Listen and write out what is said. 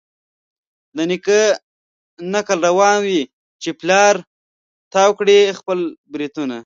د نیکه نکل روان وي چي پلار تاو کړي خپل برېتونه